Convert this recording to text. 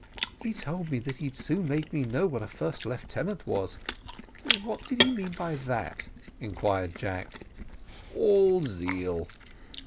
"He told me that he'd soon make me know what a first lieutenant was: what did he mean by that?" inquired Jack. "All zeal."